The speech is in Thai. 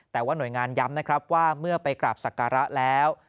แต่ว่าหน่วยงานย้ำว่าเมื่อไปกลับสักการะแล้ว